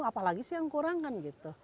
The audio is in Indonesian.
dapat yang kurang kan gitu